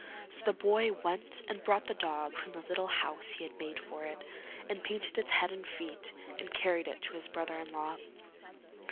So the boy went and brought the dog from the little house he had made for it, and painted its head and its feet, and carried it to his brother in law.